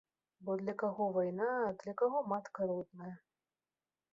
Бо для каго вайна, а для каго матка родная.